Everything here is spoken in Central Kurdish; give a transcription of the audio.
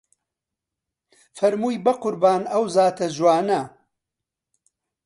فەرمووی بە قوربان ئەو زاتە جوانە